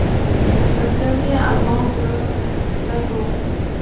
Le premier album de The Go!